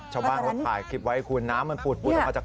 ชาวบ้านเขาถ่ายคลิปไว้คุณน้ำมันปูดออกมาจาก